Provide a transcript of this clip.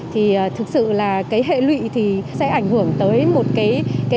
thì thực sự là cái hệ lụy thì sẽ ảnh hưởng tới một cái